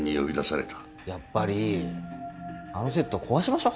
やっぱりあのセット壊しましょう。